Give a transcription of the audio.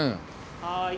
はい。